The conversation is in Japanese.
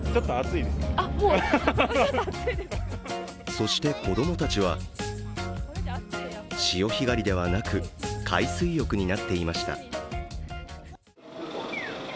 そして子供たちは潮干狩りではなく、海水浴になっていました。